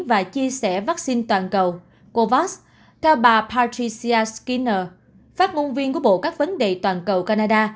và chia sẻ vaccine toàn cầu cô voss theo bà patricia skinner phát ngôn viên của bộ các vấn đề toàn cầu canada